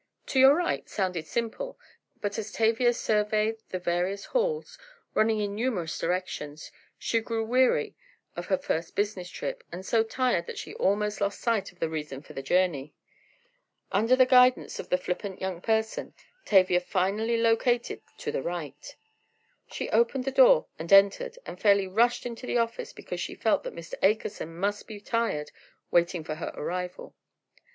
"To your right," sounded simple, but as Tavia surveyed the various halls, running in numerous directions, she grew weary of her first business trip and so tired that she almost lost sight of the reason for the journey. Under the guidance of a flippant young person, Tavia finally located "to the right." She opened the door and entered. She fairly rushed into the office because she felt that Mr. Akerson must be tired waiting for her arrival.